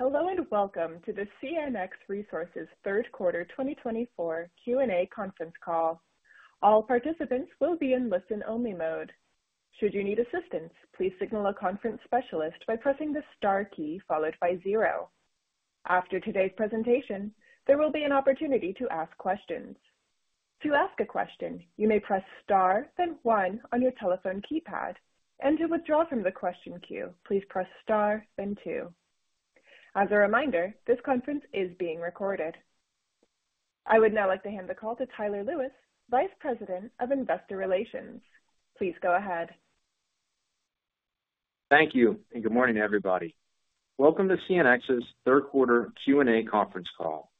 Hello, and welcome to the CNX Resources third quarter twenty twenty-four Q&A conference call. All participants will be in listen-only mode. Should you need assistance, please signal a conference specialist by pressing the star key followed by zero. After today's presentation, there will be an opportunity to ask questions. To ask a question, you may press star, then one on your telephone keypad, and to withdraw from the question queue, please press star, then two. As a reminder, this conference is being recorded. I would now like to hand the call to Tyler Lewis, Vice President of Investor Relations. Please go ahead. Thank you, and good morning, everybody. Welcome to CNX's third quarter Q&A conference call.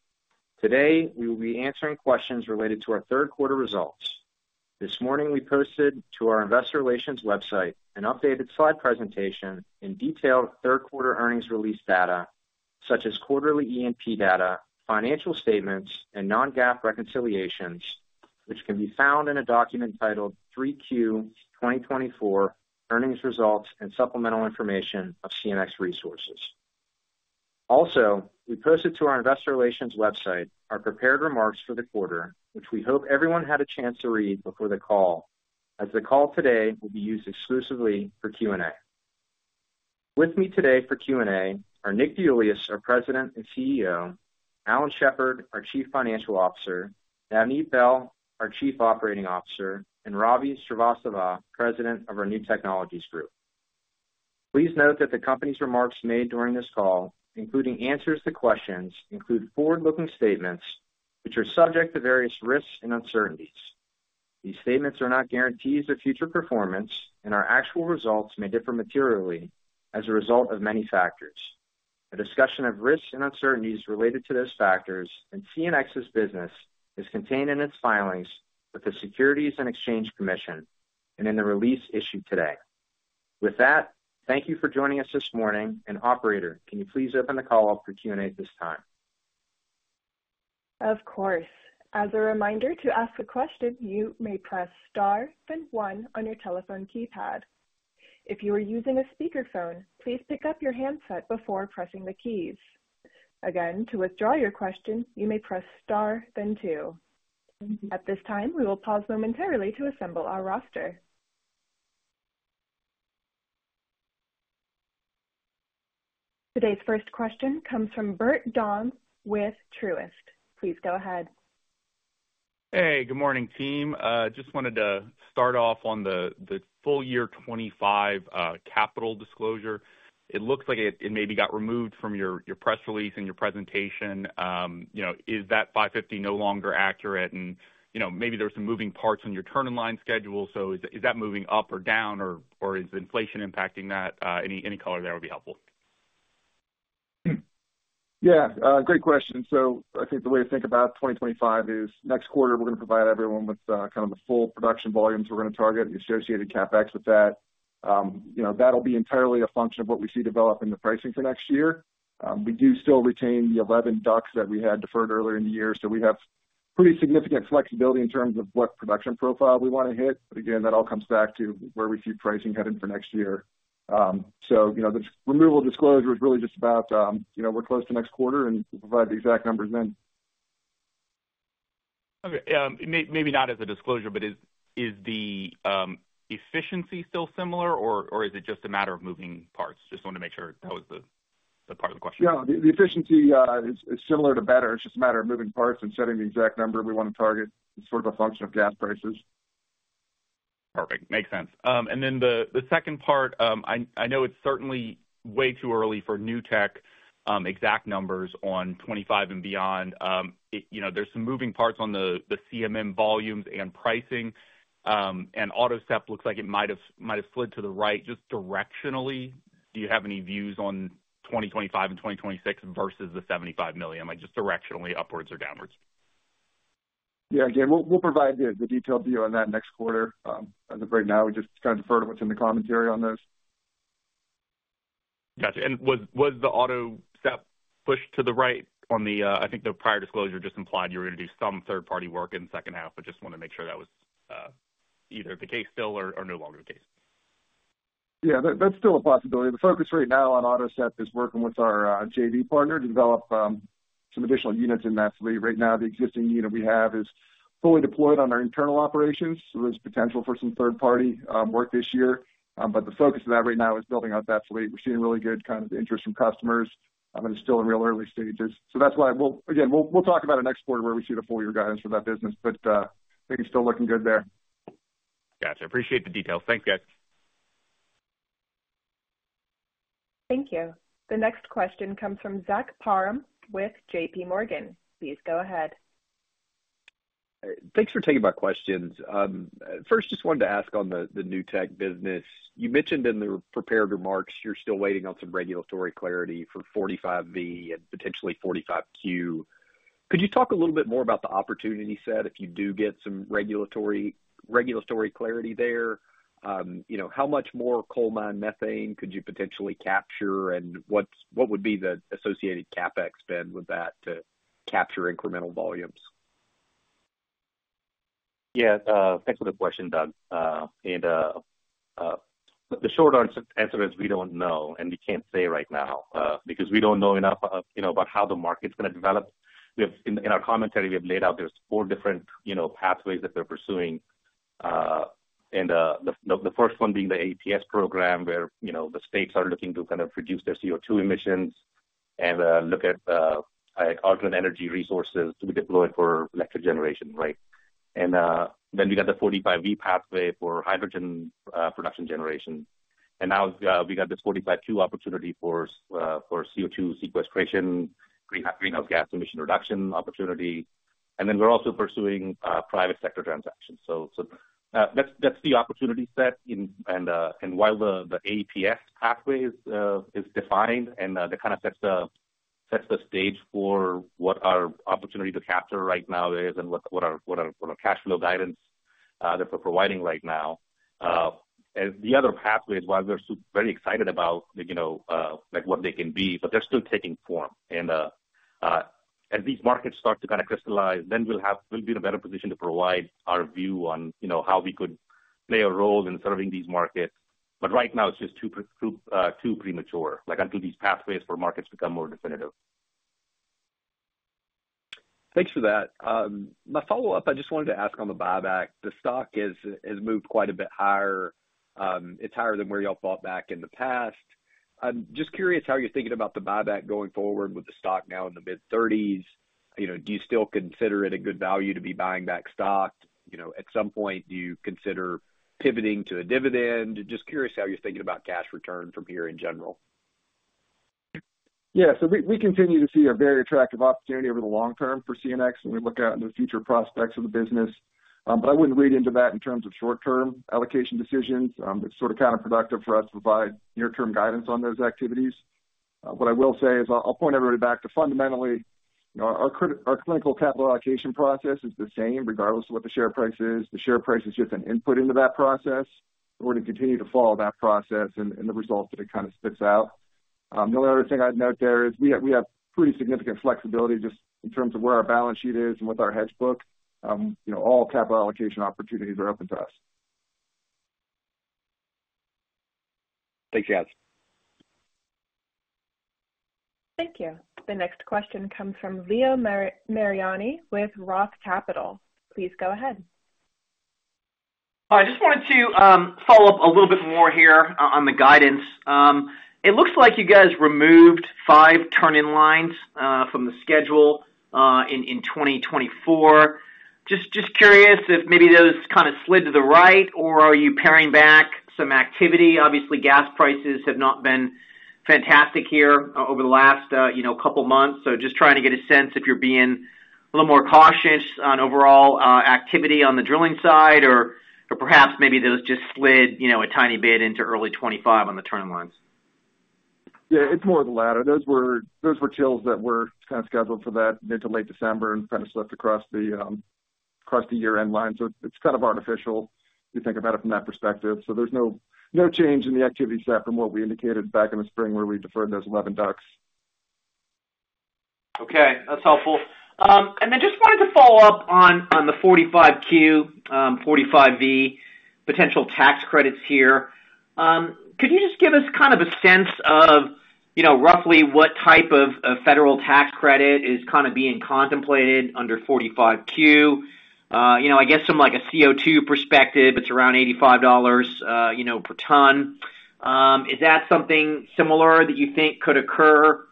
Today, we will be answering questions related to our third quarter results. This morning, we posted to our investor relations website an updated slide presentation and detailed third quarter earnings release data, such as quarterly E&P data, financial statements, and non-GAAP reconciliations, which can be found in a document titled 3Q 2024 Earnings Results and Supplemental Information of CNX Resources." Also, we posted to our investor relations website our prepared remarks for the quarter, which we hope everyone had a chance to read before the call, as the call today will be used exclusively for Q&A. With me today for Q&A are Nick DeIuliis, our President and CEO; Alan Shepard, our Chief Financial Officer; Navneet Behl, our Chief Operating Officer; and Ravi Srivastava, President of our New Technologies Group. Please note that the company's remarks made during this call, including answers to questions, include forward-looking statements, which are subject to various risks and uncertainties. These statements are not guarantees of future performance, and our actual results may differ materially as a result of many factors. A discussion of risks and uncertainties related to those factors and CNX's business is contained in its filings with the Securities and Exchange Commission and in the release issued today. With that, thank you for joining us this morning, and operator, can you please open the call up for Q&A at this time? Of course. As a reminder, to ask a question, you may press star then one on your telephone keypad. If you are using a speakerphone, please pick up your handset before pressing the keys. Again, to withdraw your question, you may press star, then two. At this time, we will pause momentarily to assemble our roster. Today's first question comes from Bert Donnes with Truist. Please go ahead. Hey, good morning, team. Just wanted to start off on the full year twenty-five capital disclosure. It looks like it maybe got removed from your press release and your presentation. You know, is that five fifty no longer accurate? And, you know, maybe there were some moving parts on your turn-in-line schedule, so is that moving up or down, or is inflation impacting that? Any color there would be helpful. Yeah, great question. So I think the way to think about 2025 is next quarter, we're going to provide everyone with, kind of the full production volumes we're going to target, the associated CapEx with that. You know, that'll be entirely a function of what we see developing the pricing for next year. We do still retain the 11 DUCs that we had deferred earlier in the year, so we have pretty significant flexibility in terms of what production profile we want to hit. But again, that all comes back to where we see pricing headed for next year. So, you know, the removal disclosure is really just about, you know, we're close to next quarter, and we'll provide the exact numbers then. Okay, maybe not as a disclosure, but is the efficiency still similar, or is it just a matter of moving parts? Just wanted to make sure that was the part of the question. Yeah, the efficiency is similar to better. It's just a matter of moving parts and setting the exact number we want to target. It's sort of a function of gas prices. Perfect. Makes sense. And then the second part, I know it's certainly way too early for new tech exact numbers on 2025 and beyond. You know, there's some moving parts on the CMM volumes and pricing, and AutoSep looks like it might have slid to the right. Just directionally, do you have any views on 2025 and 2026 versus the $75 million? Like, just directionally, upwards or downwards? Yeah, again, we'll provide the detailed view on that next quarter. As of right now, we just kind of defer to what's in the commentary on this. Gotcha. And was the AutoSep pushed to the right on the? I think the prior disclosure just implied you were going to do some third-party work in the second half. I just want to make sure that was either the case still or no longer the case. Yeah, that's still a possibility. The focus right now on AutoSep is working with our JV partner to develop some additional units in that fleet. Right now, the existing unit we have is fully deployed on our internal operations, so there's potential for some third-party work this year, but the focus of that right now is building out that fleet. We're seeing really good kind of interest from customers, and it's still in real early stages. So that's why we'll again talk about it next quarter, where we see the full year guidance for that business, but maybe still looking good there. Gotcha. I appreciate the details. Thanks, guys. Thank you. The next question comes from Zach Parham with J.P. Morgan. Please go ahead. Thanks for taking my questions. First, just wanted to ask on the new tech business. You mentioned in the prepared remarks you're still waiting on some regulatory clarity for 45V and potentially 45Q. Could you talk a little bit more about the opportunity set if you do get some regulatory clarity there? You know, how much more coal mine methane could you potentially capture, and what would be the associated CapEx spend with that to capture incremental volumes? Yeah, thanks for the question, Doug. And the short answer is we don't know, and we can't say right now, because we don't know enough, you know, about how the market's gonna develop. We have. In our commentary, we have laid out there's four different, you know, pathways that they're pursuing. And the first one being the AEPS program, where, you know, the states are looking to kind of reduce their CO2 emissions and look at alternative energy resources to be deployed for electric generation, right? And then we got the 45V pathway for hydrogen production generation. And now we got this 45Q opportunity for CO2 sequestration, greenhouse gas emission reduction opportunity. And then we're also pursuing private sector transactions. That's the opportunity set. While the AEPS pathway is defined and that kind of sets the stage for what our opportunity to capture right now is and what our sort of cash flow guidance that we're providing right now, as the other pathways, while we're very excited about, you know, like, what they can be, but they're still taking form. As these markets start to kind of crystallize, then we'll be in a better position to provide our view on, you know, how we could play a role in serving these markets, but right now, it's just too premature, like, until these pathways for markets become more definitive. Thanks for that. My follow-up, I just wanted to ask on the buyback. The stock has moved quite a bit higher. It's higher than where y'all bought back in the past. I'm just curious how you're thinking about the buyback going forward with the stock now in the mid-thirties. You know, do you still consider it a good value to be buying back stock? You know, at some point, do you consider pivoting to a dividend? Just curious how you're thinking about cash return from here in general. Yeah, so we continue to see a very attractive opportunity over the long term for CNX when we look out into the future prospects of the business. But I wouldn't read into that in terms of short-term allocation decisions. It's sort of counterproductive for us to provide near-term guidance on those activities. What I will say is I'll point everybody back to fundamentally, you know, our disciplined capital allocation process is the same, regardless of what the share price is. The share price is just an input into that process. We're going to continue to follow that process and the results that it kind of spits out. The only other thing I'd note there is we have pretty significant flexibility just in terms of where our balance sheet is and with our hedge book. You know, all capital allocation opportunities are open to us. Thanks, guys. Thank you. The next question comes from Leo Mariani with Roth Capital. Please go ahead. I just wanted to follow up a little bit more here on the guidance. It looks like you guys removed five turn-in-lines from the schedule in 2024. Just curious if maybe those kind of slid to the right, or are you paring back some activity? Obviously, gas prices have not been fantastic here over the last, you know, couple months. So just trying to get a sense if you're being a little more cautious on overall activity on the drilling side, or perhAEPS maybe those just slid, you know, a tiny bit into early 2025 on the turn-in-lines. Yeah, it's more of the latter. Those were, those were DUCs that were kind of scheduled for that mid to late December and kind of slipped across the across the year-end line. So it's kind of artificial, you think about it from that perspective. So there's no, no change in the activity set from what we indicated back in the spring, where we deferred those 11 DUCs. Okay, that's helpful. And then just wanted to follow up on the 45Q, 45V potential tax credits here. Could you just give us kind of a sense of, you know, roughly what type of federal tax credit is kind of being contemplated under 45Q? You know, I guess from, like, a CO2 perspective, it's around $85 per ton. Is that something similar that you think could occur,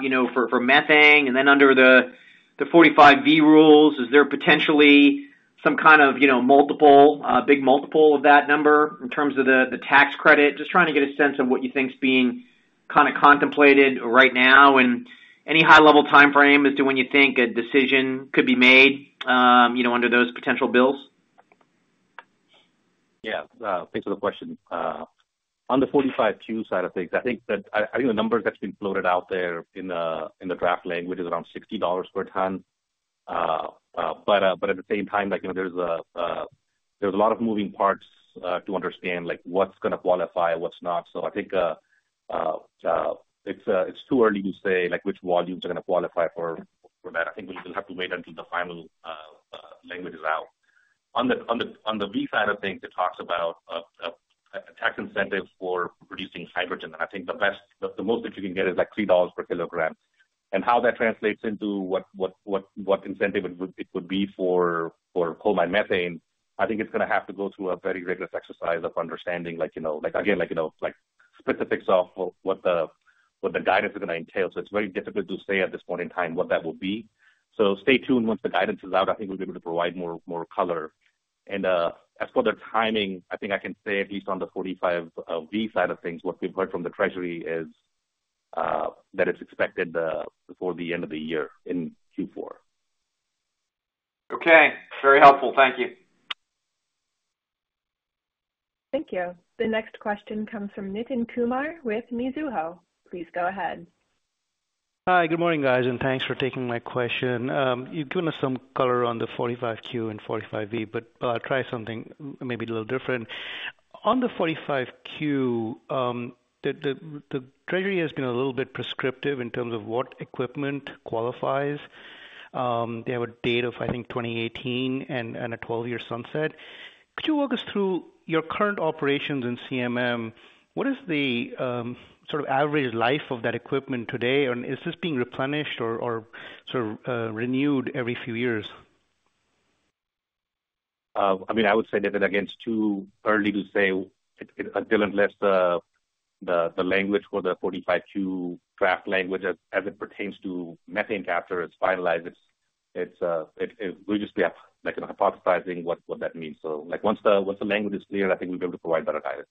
you know, for methane? And then under the 45V rules, is there potentially some kind of, you know, multiple, big multiple of that number in terms of the tax credit? Just trying to get a sense of what you think is being kind of contemplated right now, and any high-level timeframe as to when you think a decision could be made, you know, under those potential bills? Yeah, thanks for the question. On the 45Q side of things, I think that, I think the number that's been floated out there in the draft language is around $60 per ton. But at the same time, like, you know, there's a lot of moving parts to understand, like, what's gonna qualify and what's not. So I think it's too early to say, like, which volumes are gonna qualify for that. I think we will have to wait until the final language is out. On the 45V side of things, it talks about a tax incentive for producing hydrogen, and I think the best - the most that you can get is, like, $3 per kilogram. And how that translates into what incentive it would be for coal mine methane. I think it's gonna have to go through a very rigorous exercise of understanding, like, you know, like, again, like, you know, like, specifics of what the guidance is gonna entail. So it's very difficult to say at this point in time what that will be. So stay tuned. Once the guidance is out, I think we'll be able to provide more color. And as for the timing, I think I can say at least on the 45V side of things, what we've heard from the Treasury is that it's expected before the end of the year, in Q4. Okay. Very helpful. Thank you. Thank you. The next question comes from Nitin Kumar with Mizuho. Please go ahead. Hi, good morning, guys, and thanks for taking my question. You've given us some color on the 45Q and 45V, but I'll try something maybe a little different. On the 45Q, the treasury has been a little bit prescriptive in terms of what equipment qualifies. They have a date of, I think, 2018 and a twelve-year sunset. Could you walk us through your current operations in CMM? What is the sort of average life of that equipment today, and is this being replenished or sort of renewed every few years? I mean, I would say that again, it's too early to say it until unless the language for the 45Q draft language as it pertains to methane capture is finalized. It's we'll just be like hypothesizing what that means. So, like, once the language is clear, I think we'll be able to provide better guidance.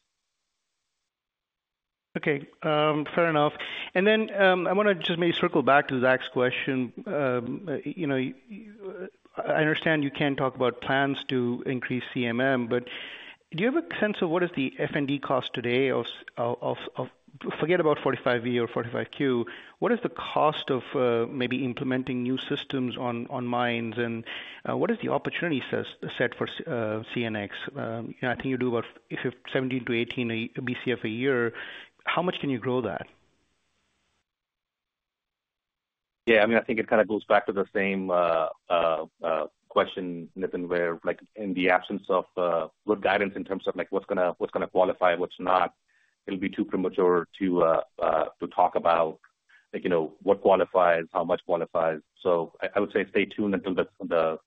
Okay, fair enough. And then, I want to just maybe circle back to Zach's question. You know, I understand you can't talk about plans to increase CMM, but do you have a sense of what is the fund cost today of... Forget about 45V or 45Q. What is the cost of maybe implementing new systems on mines? And, what is the opportunity set for CNX? I think you do about 70 to 80 BCF a year. How much can you grow that? Yeah, I mean, I think it kind of goes back to the same question, Nitin, where, like, in the absence of good guidance in terms of, like, what's gonna qualify, what's not, it'll be too premature to talk about, like, you know, what qualifies, how much qualifies. So I would say stay tuned until the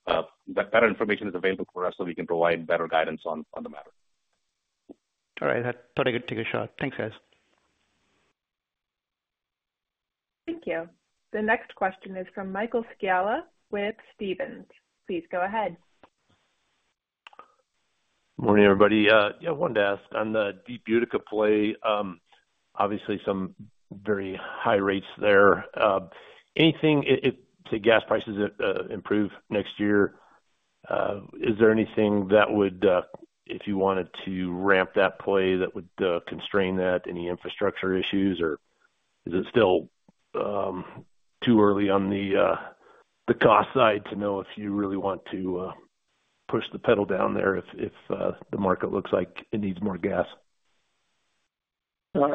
better information is available for us so we can provide better guidance on the matter. All right, I thought I could take a shot. Thanks, guys. Thank you. The next question is from Michael Scialla with Stephens. Please go ahead. Morning, everybody. Yeah, I wanted to ask on the Deep Utica play, obviously some very high rates there. Anything, if the gas prices improve next year, is there anything that would, if you wanted to ramp that play, that would constrain that? Any infrastructure issues, or is it still too early on the cost side to know if you really want to push the pedal down there, if the market looks like it needs more gas? Let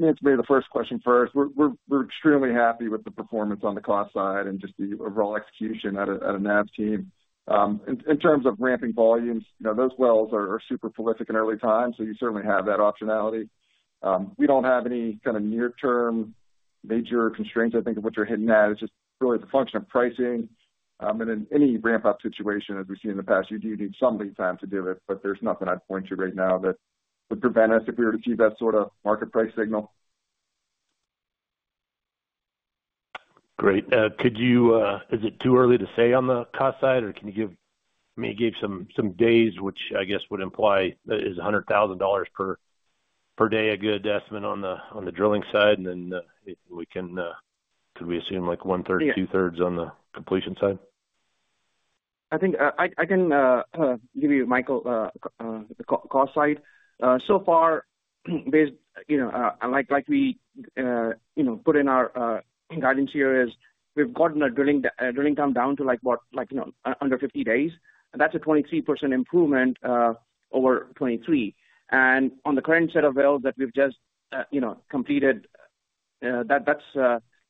me answer the first question first. We're extremely happy with the performance on the cost side and just the overall execution at a Nav's team. In terms of ramping volumes, you know, those wells are super prolific in early time, so you certainly have that optionality. We don't have any kind of near-term major constraints. I think what you're hitting at is just really the function of pricing. And in any ramp-up situation, as we've seen in the past, you do need some lead time to do it, but there's nothing I'd point to right now that would prevent us if we were to see that sort of market price signal. Great. Could you, is it too early to say on the cost side, or can you give, I mean, you gave some days, which I guess would imply is $100,000 per day, a good estimate on the drilling side? And then, we can, could we assume, like, one-third, two-thirds on the completion side? I think I can give you, Michael, the cost side. So far, you know, like we you know put in our guidance here is we've gotten our drilling time down to, like, what? Like, you know, under 50 days. That's a 23% improvement over 2023. And on the current set of wells that we've just you know completed, that's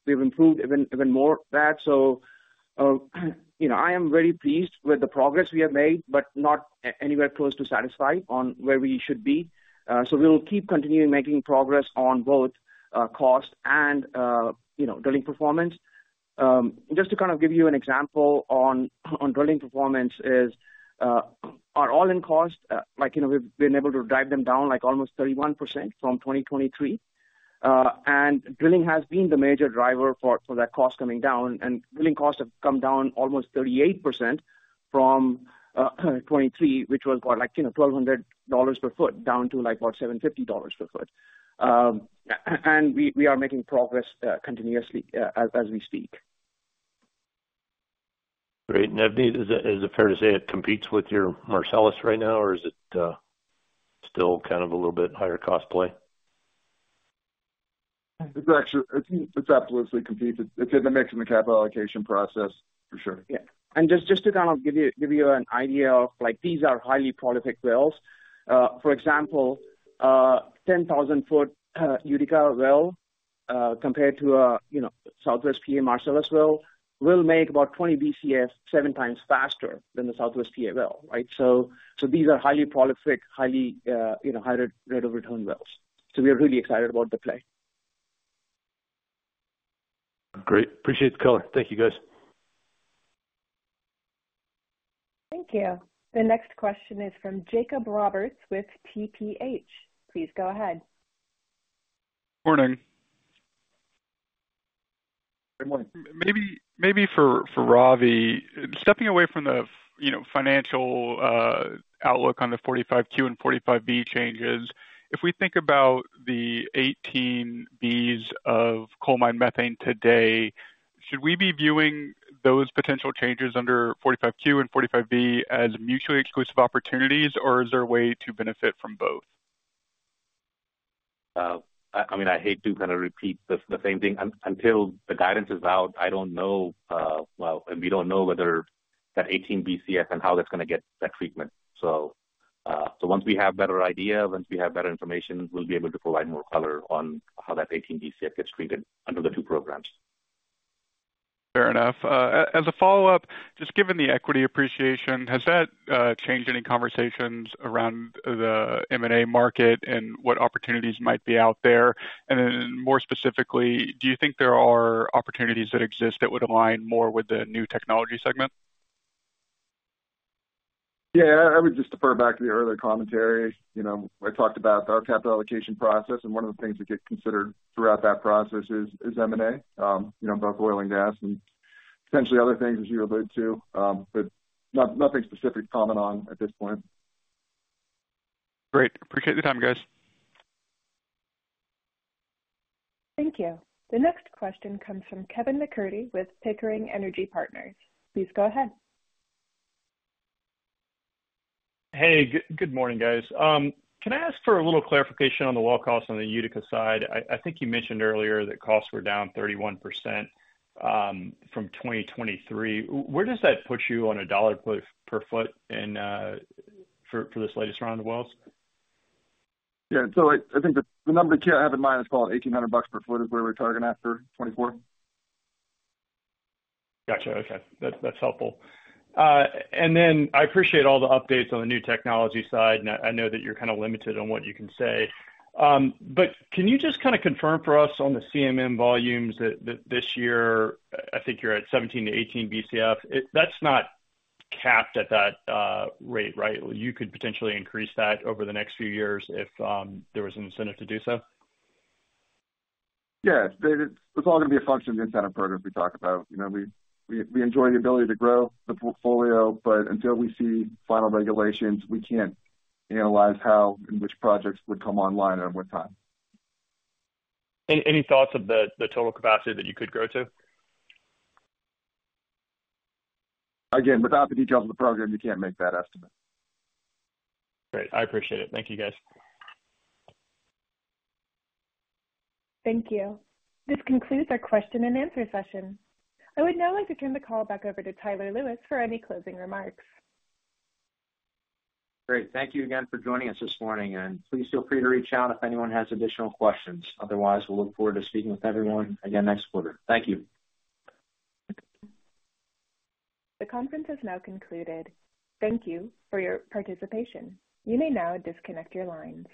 we've improved even more that. So you know, I am very pleased with the progress we have made, but not anywhere close to satisfied on where we should be. So we will keep continuing making progress on both cost and you know, drilling performance. Just to kind of give you an example on drilling performance, is our all-in cost, like, you know, we've been able to drive them down, like, almost 31% from 2023. And drilling has been the major driver for that cost coming down, and drilling costs have come down almost 38% from 2023, which was what? Like, you know, $1,200 per foot, down to, like, what? $750 per foot. And we are making progress continuously as we speak. Great. Navneet, is it, is it fair to say it competes with your Marcellus right now, or is it, still kind of a little bit higher cost play? It's actually absolutely competed. It's in the mix in the capital allocation process, for sure. Yeah. And just to kind of give you an idea of, like, these are highly prolific wells. For example, 10,000-foot Utica well, compared to, you know, Southwest PA Marcellus well, will make about 20 BCF, 7 times faster than the Southwest PA well, right? So these are highly prolific, highly, you know, higher rate of return wells. So we are really excited about the play. Great. Appreciate the color. Thank you, guys. Thank you. The next question is from Jacob Roberts with TPH. Please go ahead. Morning. Good morning. Maybe for Ravi, stepping away from the, you know, financial outlook on the 45Q and 45V changes. If we think about the 18 Bcf of coal mine methane today, should we be viewing those potential changes under 45Q and 45V as mutually exclusive opportunities, or is there a way to benefit from both? I mean, I hate to kind of repeat the same thing. Until the guidance is out, I don't know, and we don't know whether that 18 BCF and how that's gonna get that treatment. So, so once we have better idea, once we have better information, we'll be able to provide more color on how that 18 BCF gets treated under the two programs. Fair enough. As a follow-up, just given the equity appreciation, has that changed any conversations around the M&A market and what opportunities might be out there? And then more specifically, do you think there are opportunities that exist that would align more with the new technology segment? Yeah, I would just defer back to the earlier commentary. You know, I talked about our capital allocation process, and one of the things that gets considered throughout that process is M&A, you know, both oil and gas and potentially other things, as you allude to. But nothing specific to comment on at this point. Great. Appreciate your time, guys. Thank you. The next question comes from Kevin McCurdy with Pickering Energy Partners. Please go ahead. Hey, good morning, guys. Can I ask for a little clarification on the well costs on the Utica side? I think you mentioned earlier that costs were down 31% from 2023. Where does that put you on a dollar per foot in for this latest round of wells? Yeah. So I think the number that I have in mind is about $1,800 per foot is where we're targeting after 2024. Gotcha. Okay. That's, that's helpful, and then I appreciate all the updates on the new technology side, and I know that you're kind of limited on what you can say, but can you just kind of confirm for us on the CMM volumes that, that this year, I think you're at 17-18 BCF. That's not capped at that rate, right? You could potentially increase that over the next few years if there was an incentive to do so? Yeah. David, it's all going to be a function of the incentive program we talked about. You know, we enjoy the ability to grow the portfolio, but until we see final regulations, we can't analyze how and which projects would come online and at what time. Any thoughts of the total capacity that you could grow to? Again, without the details of the program, you can't make that estimate. Great. I appreciate it. Thank you, guys. Thank you. This concludes our question and answer session. I would now like to turn the call back over to Tyler Lewis for any closing remarks. Great. Thank you again for joining us this morning, and please feel free to reach out if anyone has additional questions. Otherwise, we'll look forward to speaking with everyone again next quarter. Thank you. The conference is now concluded. Thank you for your participation. You may now disconnect your lines.